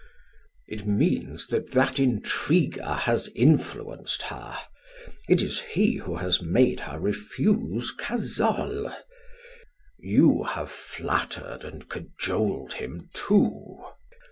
"It means that that intriguer has influenced her. It is he who has made her refuse Cazolles. You have flattered and cajoled him, too.